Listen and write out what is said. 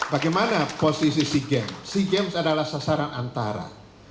bagaimana posisi sea games sea games adalah sasaran antara